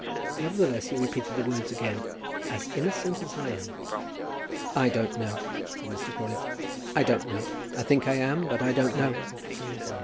Nevertheless he repeated the words again; "as innocent as I am." "I don't know," said Mr. Crawley. "I don't know. I think I am; but I don't know."